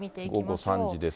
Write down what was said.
午後３時です。